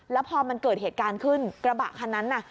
แล้วพอมันเกิดเหตุการณ์ขึ้นกระบะคันนั้นน่ะ